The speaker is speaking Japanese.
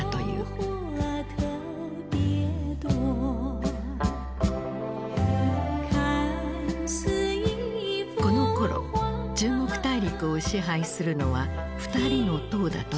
このころ中国大陸を支配するのは２人の「」だと言われた。